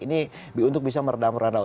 ini untuk bisa meredam rada